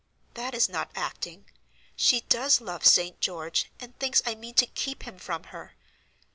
"That is not acting. She does love St. George, and thinks I mean to keep him from her.